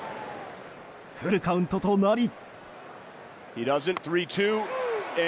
フルカウントとなり。